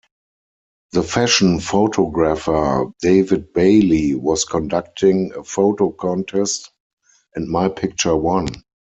The fashion photographer, David Bailey, was conducting a photo contest and my picture won.